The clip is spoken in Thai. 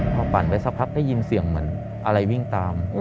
พอปั่นไปสักพักได้ยินเสียงเหมือนอะไรวิ่งตาม